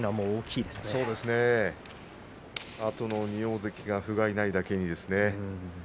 そうですねあとの２大関がふがいないだけにですね。